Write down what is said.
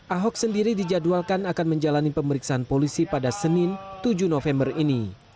ahok sendiri dijadwalkan akan menjalani pemeriksaan polisi pada senin tujuh november ini